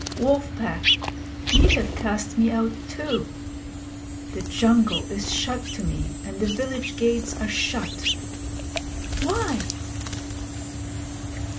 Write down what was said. Wolf Pack, ye have cast me out too. The Jungle is shut to me and the village gates are shut. Why?